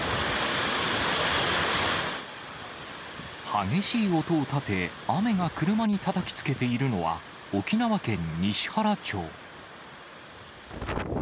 激しい音を立て、雨が車にたたきつけているのは、沖縄県西原町。